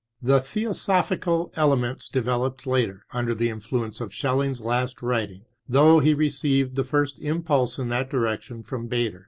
The thcosopmcal elements developed later, under the influence of Schelling's last writing, though he received the first impulse in that direction from Baader.